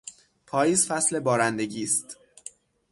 پاییز فصل بارندگی است.